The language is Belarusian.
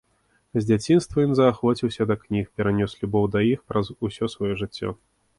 З дзяцінства ён заахвоціўся да кніг, пранёс любоў да іх праз усё сваё жыццё.